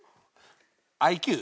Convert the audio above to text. ＩＱ？